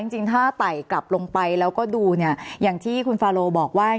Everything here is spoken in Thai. จริงถ้าไต่กลับลงไปแล้วก็ดูเนี่ยอย่างที่คุณฟาโลบอกว่า